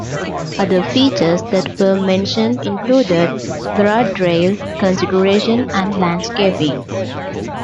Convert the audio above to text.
Other features that were mentioned included guardrail considerations and landscaping.